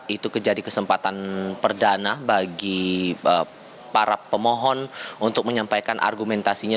itu jadi kesempatan perdana bagi para pemohon untuk menyampaikan argumentasinya